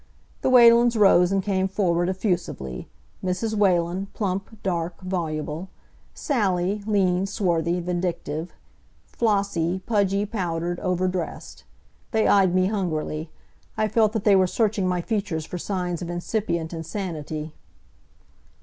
The Whalens rose and came forward effusively; Mrs. Whalen, plump, dark, voluble; Sally, lean, swarthy, vindictive; Flossie, pudgy, powdered, over dressed. They eyed me hungrily. I felt that they were searching my features for signs of incipient insanity.